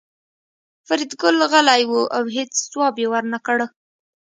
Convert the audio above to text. فریدګل غلی و او هېڅ ځواب یې ورنکړ